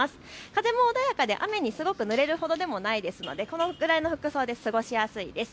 風も穏やかで雨にすごくぬれるほどでもないですので、このくらいの服装で過ごしやすいです。